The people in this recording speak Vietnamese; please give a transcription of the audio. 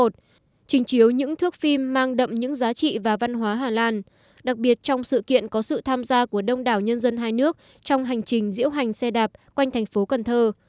trình chiếu những thước phim mang đậm những giá trị và văn hóa hà lan đặc biệt trong sự kiện có sự tham gia của đông đảo nhân dân hai nước trong hành trình diễu hành xe đạp quanh thành phố cần thơ